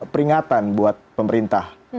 peringatan buat pemerintah